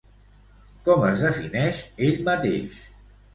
Com es defineix ell mateix?